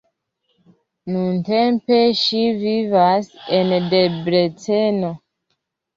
Nuntempe ŝi vivas en Debreceno.